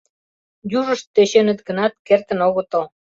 Южышт тӧченыт гынат, кертын огытыл.